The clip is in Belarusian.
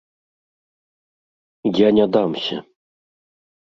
я не дамся!.."